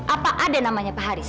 apa ada namanya pak haris